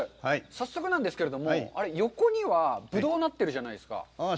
早速なんですけれども、横にはぶどうがなってるじゃないですか。